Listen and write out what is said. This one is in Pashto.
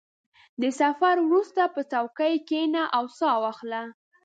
• د سفر وروسته، په چوکۍ کښېنه او سا واخله.